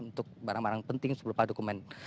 untuk barang barang penting sebelum pada dokumen